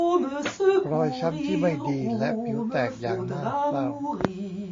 รอยช้ำที่ไม่ดีและผิวแตกอย่างน่าเศร้า